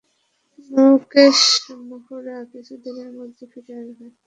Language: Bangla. মুকেশ মেহরা কিছুদিনের মধ্যে ফিরে আসবে।